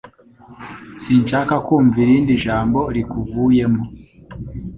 Sinshaka kumva irindi jambo rikuvuyemo